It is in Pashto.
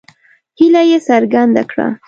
هیله یې څرګنده کړه.